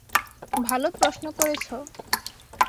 ভালো প্রশ্ন করেছ।